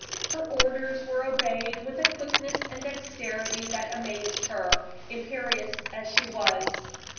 Her orders were obeyed with a quickness and dexterity that amazed her, imperious as she was.